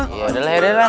yaudah lah yaudah lah